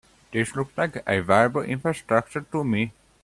This looks like a viable infrastructure to me.